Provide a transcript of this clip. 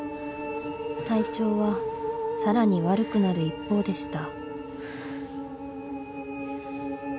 ［体調はさらに悪くなる一方でした］